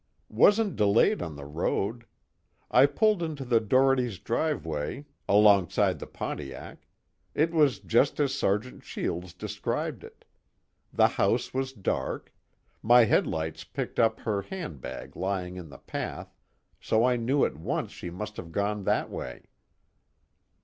Wasn't delayed on the road. I pulled into the Dohertys' driveway, alongside the Pontiac it was just as Sergeant Shields described it. The house was dark. My headlights picked up her handbag lying in the path, so I knew at once she must have gone that way."